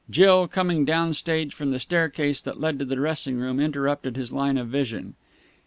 Jill, coming down stage from the staircase that led to the dressing room, interrupted his line of vision.